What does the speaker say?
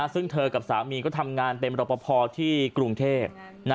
ซึ่งเธอกับสามีก็ทำงานเป็นรปภที่กรุงเทพ